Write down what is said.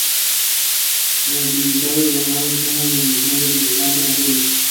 Los actos de apertura estuvieron realizados por Faith No More y Skid Row.